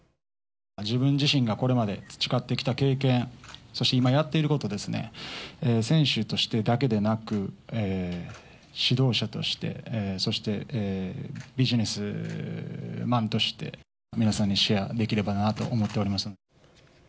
自分自身がこれまで培ってきた経験、そして今やっていることですね、選手としてだけでなく、指導者として、そしてビジネスマンとして、皆さんにシェアできればなと思っております。